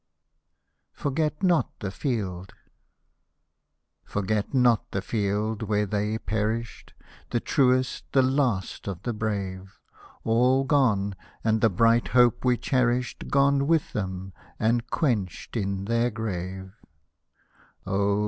FORGET NOT THE FIELD Forget not the field where they perished, The truest, the last of the brave. All gone — and the bright hope we cherished Gone with them, and quenched in their grave I Hosted by Google 38 IRISH MELODIES Oh !